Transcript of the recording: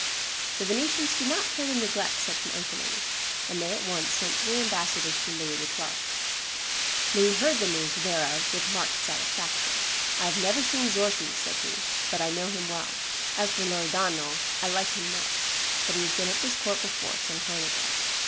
The Venetians did not care to neglect such an opening; and they at once sent three ambassadors to Louis XII. Louis heard the news thereof with marked satisfaction. "I have never seen Zorzi," said he, "but I know him well; as for Loredano, I like him much; he has been at this court before, some time ago."